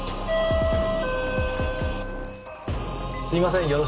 すいません